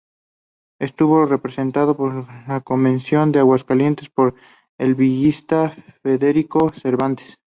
Estuvo representado en la Convención de Aguascalientes por el villista Federico Cervantes.